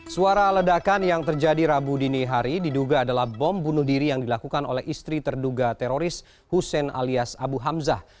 suara ledakan yang terjadi rabu dini hari diduga adalah bom bunuh diri yang dilakukan oleh istri terduga teroris hussein alias abu hamzah